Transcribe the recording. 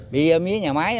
bị mía nhà máy